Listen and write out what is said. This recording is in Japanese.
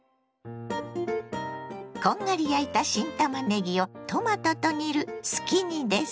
こんがり焼いた新たまねぎをトマトと煮るすき煮です。